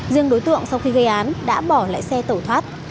riêng đối tượng sau khi gây án đã bỏ lại xe tẩu thoát